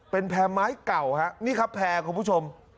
เป็นแพร่ไม้เก่าฮะนี่ครับแพร่คุณผู้ชม